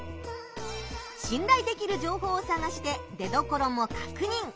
信頼できる情報を探して出どころもかくにん！